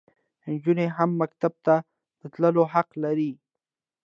انجونې هم مکتب ته د تللو حق لري.